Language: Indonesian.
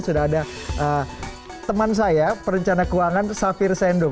sudah ada teman saya perencana keuangan safir sendum